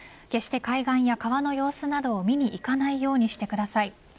決して海岸や川の様子を見に行かないようにしてください。